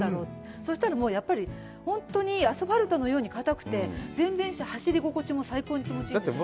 そしたら、本当に、アスファルトのように硬くて、全然走り心地も最高に気持ちいいです。